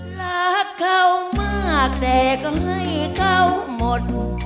รักเขามากแต่ก็ให้เขาหมด